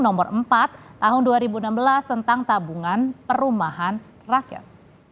nomor empat tahun dua ribu enam belas tentang tabungan perumahan rakyat